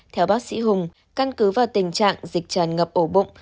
theo bác sĩ hùng căn cứ vào tình trạng dịch tràn ngập ổ bụng